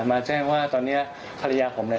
มาแจ้งว่าตอนนี้ภรรยาผมเนี่ย